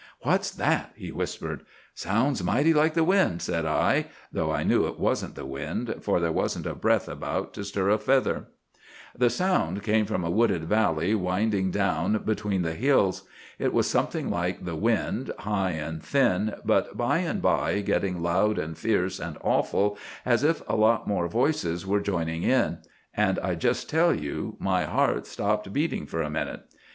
"'What's that?' he whispered. "'Sounds mighty like the wind,' said I, though I knew it wasn't the wind, for there wasn't a breath about to stir a feather. "The sound came from a wooded valley winding down between the hills. It was something like the wind, high and thin, but by and by getting loud and fierce and awful, as if a lot more voices were joining in; and I just tell you my heart stopped beating for a minute.